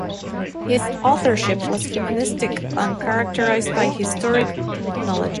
His authorship was humanistic and characterized by historic knowledge.